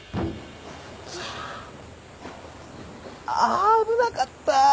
あ危なかった！